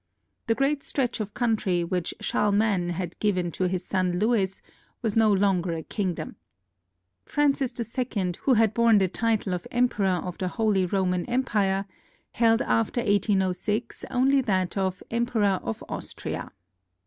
The great stretch of country which Charlemagne had given to his son Lewis was no longer a kingdom. Francis II, who had borne the title of Emperor of the Holy Roman Empire, held after 1806 only that of Emperor of Austria.